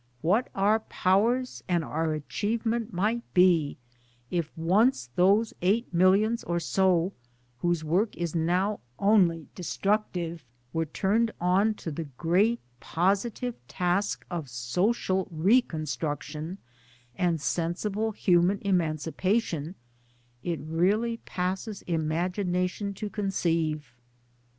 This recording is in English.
What our powers and our achievement might be if once those eight millions or so whose work is now only destructive were turned on to the great positive task of social reconstruction and sensible human emancipation, it really passes imagination to conceive.